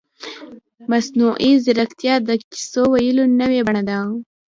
مصنوعي ځیرکتیا د کیسو ویلو نوې بڼه ده.